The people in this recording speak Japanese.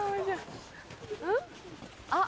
あっ？